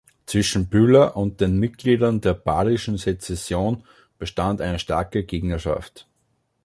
Zwischen Bühler und den Mitgliedern der Badischen Secession bestand eine starke Gegnerschaft.